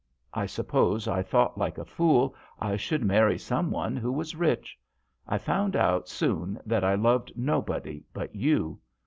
L suppose I thought, like a fool, I should marry some one who was rich. I found out soon that I loved nobody but you.